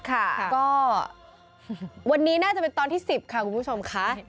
ค่ะก็วันนี้น่าจะเป็นตอนที่๑๐ค่ะคุณผู้ชมค่ะ